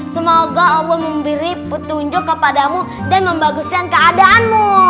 semoga allah memberi petunjuk kepadamu dan membaguskan keadaanmu